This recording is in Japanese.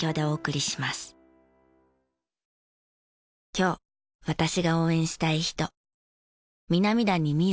今日私が応援したい人。